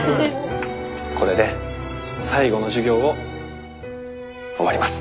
「これで最後の授業を終わります」。